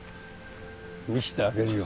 見してあげるよ